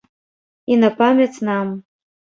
І на памяць нам.